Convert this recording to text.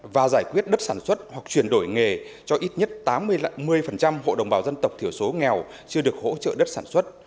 và giải quyết đất sản xuất hoặc chuyển đổi nghề cho ít nhất tám mươi hộ đồng bào dân tộc thiểu số nghèo chưa được hỗ trợ đất sản xuất